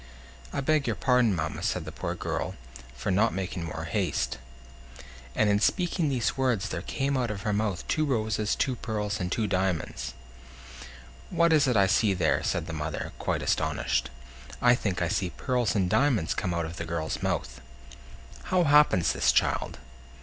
"I beg your pardon, mamma," said the poor girl, "for not making more haste." And in speaking these words there came out of her mouth two roses, two pearls, and two diamonds. "What is it I see there?" said the mother, quite astonished. "I think I see pearls and diamonds come out of the girl's mouth! How happens this, child?"